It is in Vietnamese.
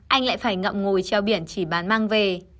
anh lại phải ngậm ngồi treo biển chỉ bán mang về